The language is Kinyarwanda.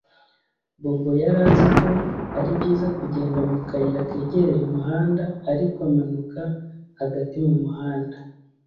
Bobo yari azi ko ari byiza kugenda mu kayira kegereye umuhanda ariko amanuka hagati mu muhanda